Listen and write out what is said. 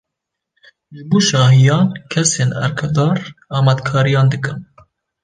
Ji bo şahiyan kesên erkdar amadekariyan dikin.